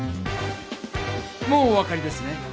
もうお分かりですね。